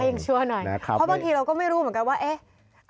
อ๋อก็ยังชั่วหน่อยควรบางทีเราก็ไม่รู้เหมือนกันว่าเอ๊ะ